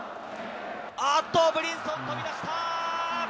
あっと、ブリンソン、飛び出した。